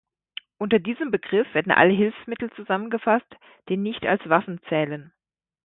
Unter diesem Begriff werden alle Hilfsmittel zusammengefasst, die nicht als Waffen zählen.